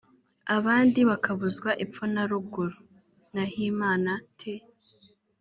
abandi bakabuzwa epfo na ruguru (Nahimana T